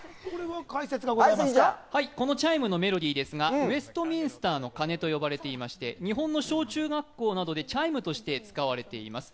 このチャイムのメロディーですが、ウェストミンスターの鐘と呼ばれていて日本の小中学校などでチャイムとして使われています。